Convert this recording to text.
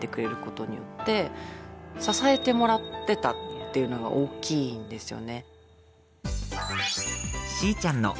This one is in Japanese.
っていうのは大きいんですよね。